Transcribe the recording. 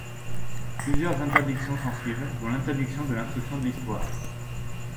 Plusieurs interdictions s'ensuivent, dont l'interdiction de l'instruction de l'Histoire.